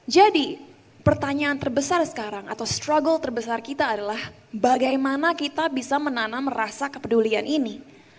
jadi pertanyaan terbesar sekarang atau struggle terbesar kita adalah bagaimana kita bisa menanam rasa kepedulian ini